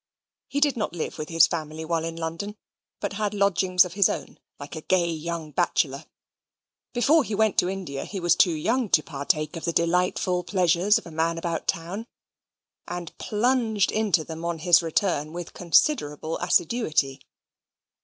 He did not live with his family while in London, but had lodgings of his own, like a gay young bachelor. Before he went to India he was too young to partake of the delightful pleasures of a man about town, and plunged into them on his return with considerable assiduity.